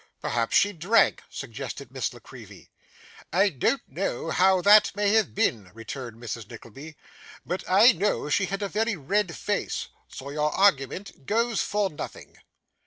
'Perhaps she drank,' suggested Miss La Creevy. 'I don't know how that may have been,' returned Mrs. Nickleby: 'but I know she had a very red face, so your argument goes for nothing.